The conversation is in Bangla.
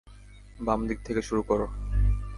বাম দিক থেকে শুরু কর।